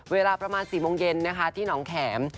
เวลาประมาณ๔โมงเย็นนะคะที่หนองแข็ม